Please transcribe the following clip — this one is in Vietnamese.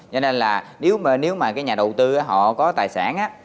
cho nên là nếu mà cái nhà đầu tư họ có tài sản á